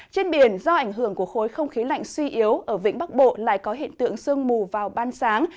trên biển do ảnh hưởng của khối không khí lạnh suy yếu ở vĩnh bắc bộ lại có hiện tượng sương mù vào ban sáng